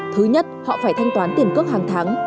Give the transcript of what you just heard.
thứ nhất họ phải thanh toán tiền cước hàng tháng